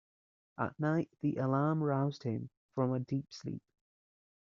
At night the alarm roused him from a deep sleep.